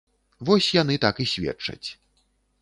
Вось яны так і сведчаць.